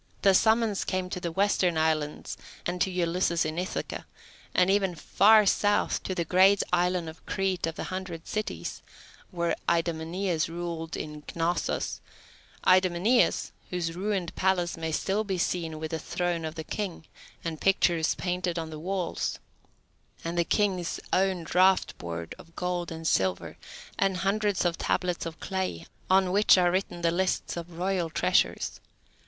The summons came to the western islands and to Ulysses in Ithaca, and even far south to the great island of Crete of the hundred cities, where Idomeneus ruled in Cnossos; Idomeneus, whose ruined palace may still be seen with the throne of the king, and pictures painted on the walls, and the King's own draught board of gold and silver, and hundreds of tablets of clay, on which are written the lists of royal treasures.